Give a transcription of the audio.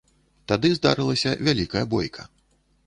Тады здарылася вялікая бойка.